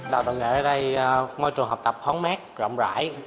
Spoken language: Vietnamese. đào tạo nghệ ở đây môi trường học tập hóng mát rộng rãi